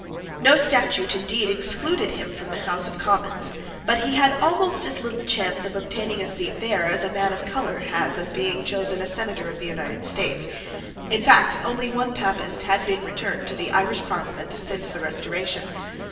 No statute, indeed, excluded him from the House of Commons: but he had almost as little chance of obtaining a seat there as a man of colour has of being chosen a Senator of the United States. In fact only one Papist had been returned to the Irish Parliament since the Restoration.